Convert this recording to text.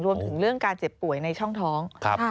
รวมถึงเรื่องการเจ็บป่วยในช่องท้อง